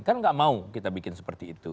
kan nggak mau kita bikin seperti itu